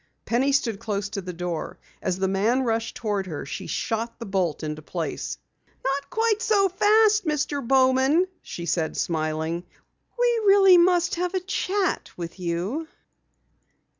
Penny stood close to the door. As the man rushed toward her, she shot a bolt into place. "Not quite so fast, Mr. Bowman," she said, smiling. "We really must have a chat with you."